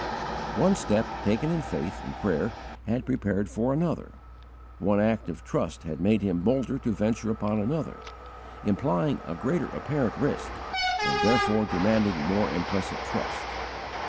One step taken in faith and prayer had prepared for another; one act of trust had made him bolder to venture upon another, implying a greater apparent risk and therefore demanding more implicit trust.